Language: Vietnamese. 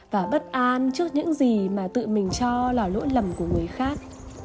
và bất an trước những gì mà tự mình cho là lỗi lầm của người khác